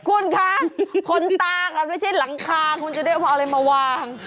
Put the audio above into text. คุณคะคนตาไม่ใช่หลังคาคุณจะได้เอาอะไรมาวาง